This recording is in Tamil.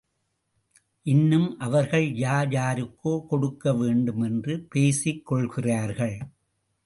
இன்னும் அவர்கள் யார் யாருக்கோ கொடுக்க வேண்டும் என்று பேசிக்கொள்கிறார்கள்.